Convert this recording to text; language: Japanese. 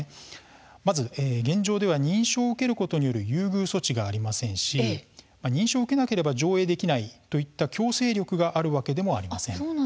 まず現状では認証を受けることによる優遇措置はありませんし認証を受けなければ上映できないといった強制力があるわけでもありません。